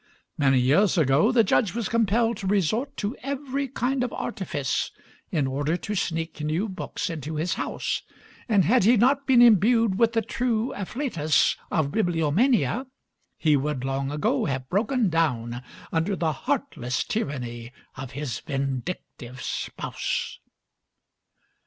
Many years ago the Judge was compelled to resort to every kind of artifice in order to sneak new books into his house, and had he not been imbued with the true afflatus of bibliomania he would long ago have broken down under the heartless tyranny of his vindictive spouse.